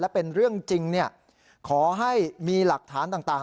เป็นเรื่องจริงขอให้มีหลักฐานต่าง